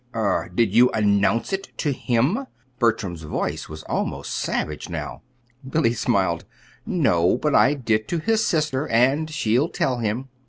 Er did you announce it to him?" Bertram's voice was almost savage now. Billy smiled. "No; but I did to his sister, and she'll tell him.